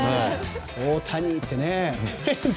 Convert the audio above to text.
大谷！ってね。